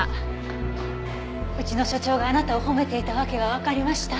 うちの所長があなたを褒めていた訳がわかりました。